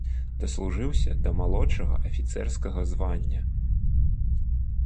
Даслужыўся да малодшага афіцэрскага звання.